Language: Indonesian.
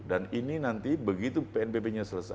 dan ini nanti begitu pnbp nya selesai